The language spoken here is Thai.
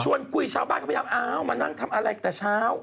คุยชาวบ้านก็พยายามอ้าวมานั่งทำอะไรแต่เช้า